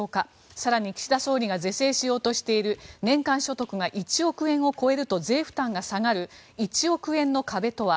更に岸田総理が是正しようとしている年間所得が１億円を超えると税負担が下がる１億円の壁とは。